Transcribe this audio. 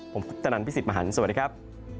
ผมคุณจนันทร์พี่สิทธิ์มหันธ์สวัสดีครับ